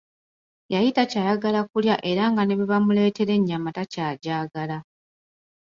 Yali takyayagala kulya era nga ne bwe bamuleetera ennyama takyajagala.